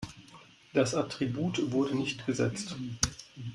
Das Attribut wurde nicht gesetzt.